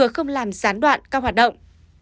không làm gián đoạn các hoạt động